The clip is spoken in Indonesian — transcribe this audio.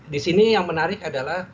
disini yang menarik adalah